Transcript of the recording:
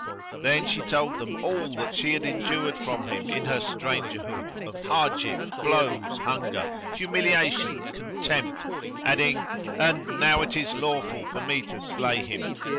Then she told them all that she had endured from him in her stranger hood of hardship, blows, hunger, humiliation, contempt, adding, "And now it is lawful for me to slay him."